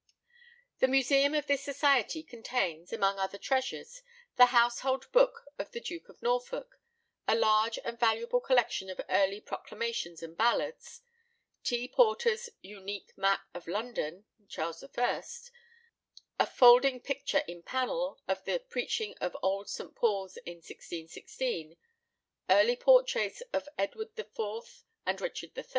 The museum of this society contains, among other treasures, the Household Book of the Duke of Norfolk; a large and valuable collection of early proclamations and ballads; T. Porter's unique map of London (Charles I.); a folding picture in panel, of the "Preaching at Old St. Paul's in 1616;" early portraits of Edward IV. and Richard III.